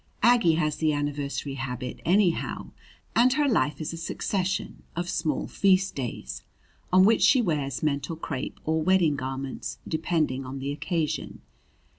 Aggie has the anniversary habit, anyhow, and her life is a succession: of small feast days, on which she wears mental crape or wedding garments depending on the occasion.